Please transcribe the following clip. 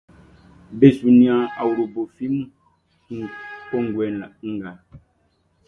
Be su nian awlobo flimu kun kɔnguɛ nga.